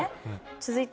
続いて。